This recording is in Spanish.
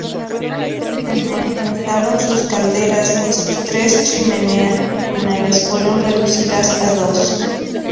Se reemplazaron sus calderas, y sus tres chimeneas originales fueron reducidas a dos.